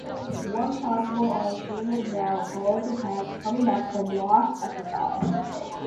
One possible alternative route follows the path coming up from Loch Etchachan.